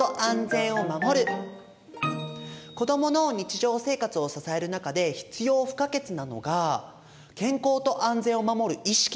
子どもの日常生活を支える中で必要不可欠なのが健康と安全を守る意識です。